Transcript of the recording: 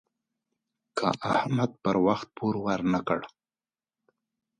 که احمد پر وخت پور ورنه کړ.